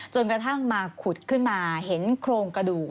จนกระทั่งมาขุดขึ้นมาเห็นโครงกระดูก